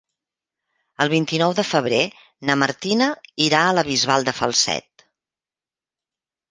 El vint-i-nou de febrer na Martina irà a la Bisbal de Falset.